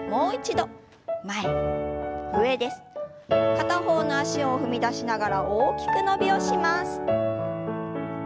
片方の脚を踏み出しながら大きく伸びをします。